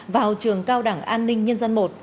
vào trường cao đẳng an ninh nhân dân một